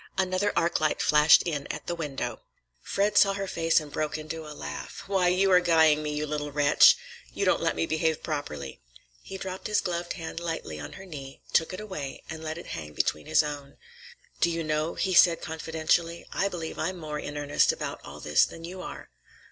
Another arc light flashed in at the window. Fred saw her face and broke into a laugh. "Why, you're guying me, you little wretch! You won't let me behave properly." He dropped his gloved hand lightly on her knee, took it away and let it hang between his own. "Do you know," he said confidentially, "I believe I'm more in earnest about all this than you are."